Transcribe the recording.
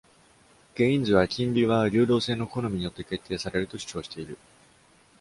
ケインズは、金利は流動性の好みによって決定されると主張している。